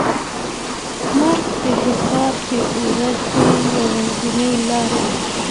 مرګ د حساب د ورځې یوازینۍ لاره ده.